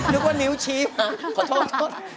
นึกว่านิ้วชี้มาขอโทษ